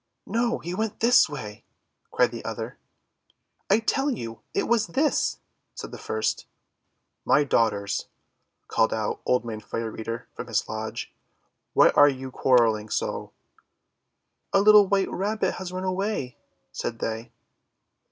"No, he went this way!" cried the other. "I tell you, it was this!" said the first. "My Daughters," called out Old Man Fire Keeper from his lodge, ;'why are you quar relling so?' "Our little white Rabbit has run away," said they.